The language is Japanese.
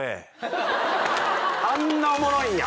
あんなおもろいんや。